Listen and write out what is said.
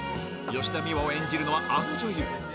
吉田美和を演じるのはあの女優。